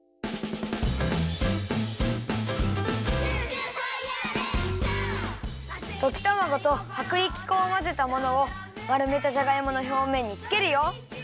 「ジュージューファイヤーレッツシャオ」ときたまごとはくりき粉をまぜたものをまるめたじゃがいものひょうめんにつけるよ。